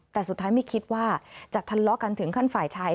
แต่สุดท้ายไม่คิดว่าจะทะเลาะกันถึงขั้นฝ่ายชาย